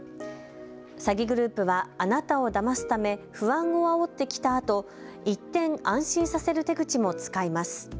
詐欺グループはあなたをだますため不安をあおってきたあと一転、安心させる手口も使います。